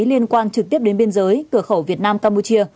liên quan trực tiếp đến biên giới cửa khẩu việt nam campuchia